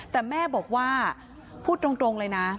แต่แม่บอกว่าพูดตรงเลยนะ